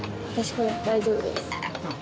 これ大丈夫です